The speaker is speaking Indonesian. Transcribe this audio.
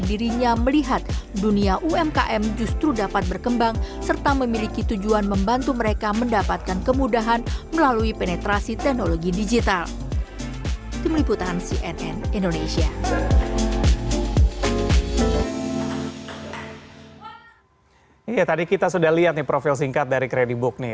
iya tadi kita sudah lihat nih profil singkat dari kredibook nih